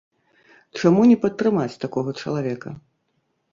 Чаму не падтрымаць такога чалавека?